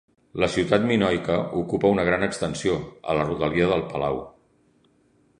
La ciutat minoica ocupa una gran extensió, a la rodalia del palau.